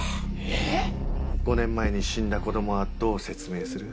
えっ⁉５年前に死んだ子供はどう説明する？